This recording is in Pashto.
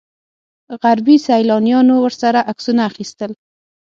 غربي سیلانیانو ورسره عکسونه اخیستل.